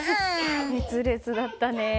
熱烈だったね。